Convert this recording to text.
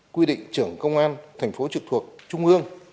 quy định trưởng công an thành phố trực thuộc trung ương